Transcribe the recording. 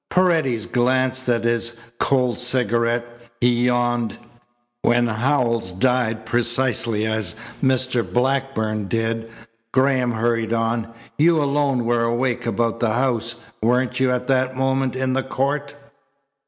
Paredes glanced at his cold cigarette. He yawned. "When Howells died precisely as Mr. Blackburn did," Graham hurried on, "you alone were awake about the house. Weren't you at that moment in the court?"